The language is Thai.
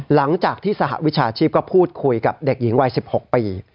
หลังจากที่สหวิชาชีพก็พูดคุยกับเด็กหญิงวัย๑๖ปี